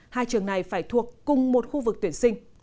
hai trường này phải thuộc cùng một khu vực tuyển sinh